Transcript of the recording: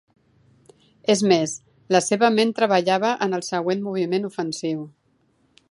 És més, la seva ment treballava en el següent moviment ofensiu.